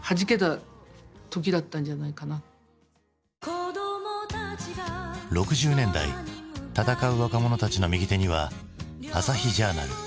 当時の６０年代闘う若者たちの右手には「朝日ジャーナル」。